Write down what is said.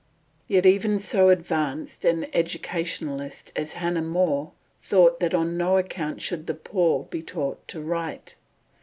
Yet even so advanced an educationalist as Hannah More thought that on no account should the poor be taught to write.